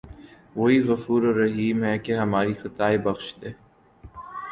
وہی غفورالرحیم ہے کہ ہماری خطائیں بخش دے